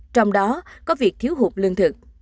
trong đó có việc thiếu hụt lương thực